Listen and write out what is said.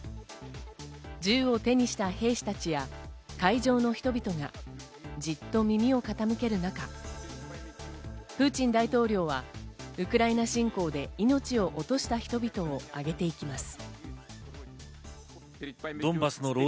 銃を手にした兵士たちや会場の人々がじっと耳を傾ける中、プーチン大統領はウクライナ侵攻で命を落とした人々をあげていきます。